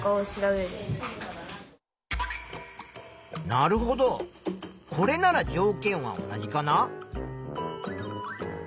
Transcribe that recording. なるほどこれなら条件は同じかな？